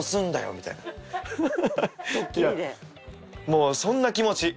もうそんな気持ち。